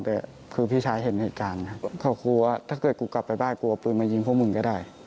แต่คือพี่ชายเห็นเหตุการณ์ครับเขากลัวถ้าเกิดกูกลับไปบ้านกลัวปืนมายิงพวกมึงก็ได้